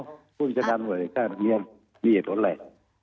คุณผู้จัดการบริษัทมีเหตุผลอะไร